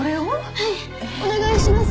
はいお願いします